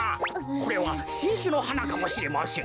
これはしんしゅのはなかもしれません。